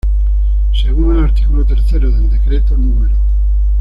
Según el artículo tercero del Decreto No.